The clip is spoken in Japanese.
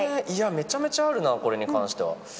いや、めちゃめちゃあるな、これに関しては。